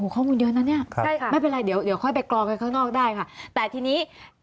ข้อมูลเยอะนะเนี่ยไม่เป็นไรเดี๋ยวค่อยไปกล่องให้ข้างนอกได้ค่ะแต่ทีนี้